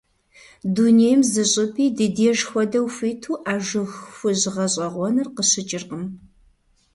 Дунейм зы щӀыпӀи ди деж хуэдэу хуиту а жыг хужь гъэщӀэгъуэныр къыщыкӀыркъым.